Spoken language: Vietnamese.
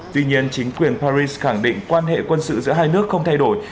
tuy nhiên chính quyền paris khẳng định quan hệ quân sự giữa hai nước không thay đổi